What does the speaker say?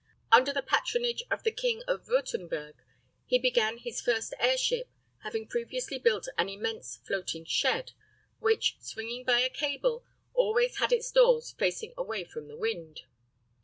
Under the patronage of the King of Würtemberg he began his first airship, having previously built an immense floating shed, which, swinging by a cable, always had its doors facing away from the wind.